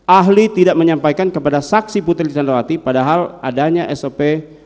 ahli tidak menyampaikan kepada saksi putri candrawati padahal adanya sop